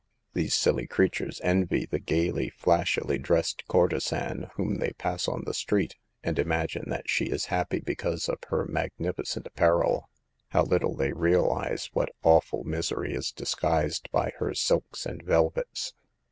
These silly creatures envy the gaily, flashily dressed courtesan whom they pass on the street, and imagine that she is happy because of her mag nificent apparel. How little they realize what awful misery is disguised by her silks and vel vets.